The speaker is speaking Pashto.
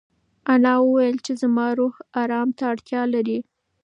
انا وویل چې زما روح ارام ته اړتیا لري.